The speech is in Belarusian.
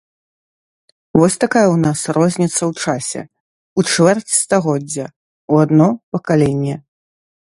Вось такая ў нас розніца ў часе, у чвэрць стагоддзя, у адно пакаленне.